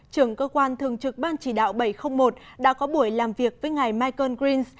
trưởng cơ quan thường trực ban chỉ đạo bảy trăm linh một đã có buổi làm việc với ngài michael greens